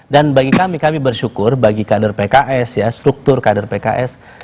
dan bagi kami kami bersyukur bagi kader pks ya struktur kader pks